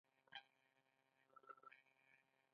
رابیندرانات ټاګور په ادبیاتو کې نوبل وګاټه.